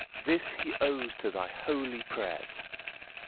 this he owes to thy holy prayers!"